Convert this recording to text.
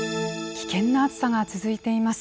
危険な暑さが続いています。